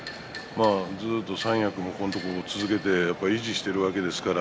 ずっと三役も、このところ続けて維持しているわけです。